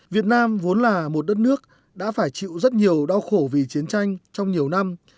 việt nam vốn là một đất nước đã phải chịu rất nhiều đau khổ vì chiến tranh trong nhiều năm